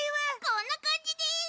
こんな感じです！